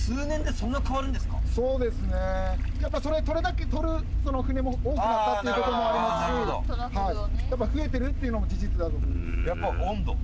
そうですねやっぱそれだけとる船も多くなったっていうこともありますしやっぱ増えてるっていうのも事実だろうと思うんですやっぱ温度？